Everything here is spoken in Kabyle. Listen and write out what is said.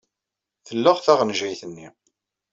Telleɣ taɣenjayt-nni.